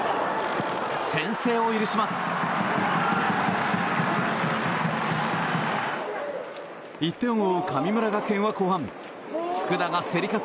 先制を許します。